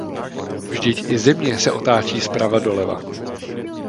Vždyť i Země se otáčí zprava doleva.